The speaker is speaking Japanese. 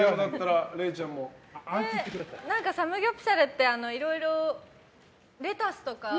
サムギョプサルっていろいろレタスとか。